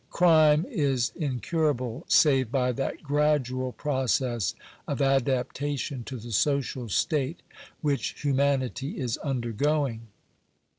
Crime is incurable, save by that gradual process of adaptation to the social state which humanity is undergoing.